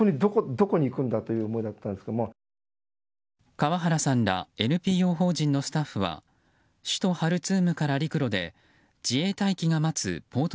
川原さんらＮＰＯ法人のスタッフは首都ハルツームから陸路で自衛隊機が待つポート